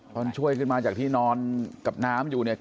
ตอนช่วยขึ้นมาจากที่นอนกับน้ำอยู่เนี่ย